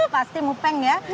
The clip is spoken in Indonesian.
pasti mupeng ya